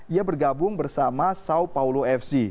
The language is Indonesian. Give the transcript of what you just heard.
ia bergabung bersama sao paulo fc